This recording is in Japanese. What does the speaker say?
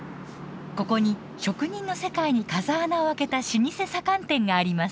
ここに職人の世界に風穴を開けた老舗左官店があります。